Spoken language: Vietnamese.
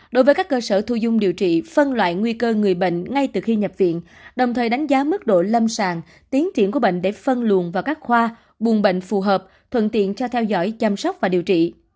đối với các cơ sở thu dung điều trị phân loại nguy cơ người bệnh ngay từ khi nhập viện đồng thời đánh giá mức độ lâm sàng tiến triển của bệnh để phân luồn vào các khoa buồn bệnh phù hợp thuận tiện cho theo dõi chăm sóc và điều trị